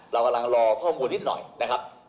เรากำลังรอข้อมูลนิดหน่อยนะครับ